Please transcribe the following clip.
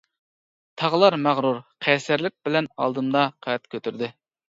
تاغلار مەغرۇر، قەيسەرلىك بىلەن ئالدىمدا قەد كۆتۈردى.